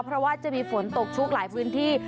เพราะว่าจะมีฝนตกชุกหลายพื้นที่